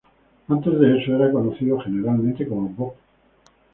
Antes de eso, era conocido generalmente como Bob.